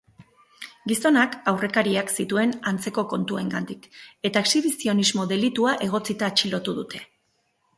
Gizonak aurrekariak zituen antzeko kontuengatik, eta exhibizionismo delitua egotzita atxilotu dute.